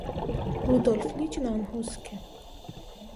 Ռուդոլֆ լիճն անհոսք է։